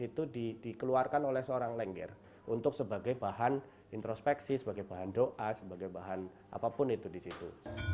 itu dikeluarkan oleh seorang lengger untuk sebagai bahan introspeksi sebagai bahan doa sebagai bahan apapun itu di situ